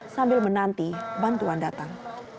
sambil menanti bantuan datang